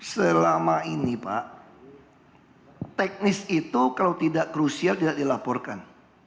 selama ini pak teknis itu kalau tidak krusial tidak dilaporkan